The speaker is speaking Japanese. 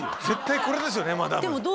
絶対これですよねマダム。